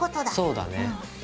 そうだね。